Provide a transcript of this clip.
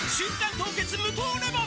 凍結無糖レモン」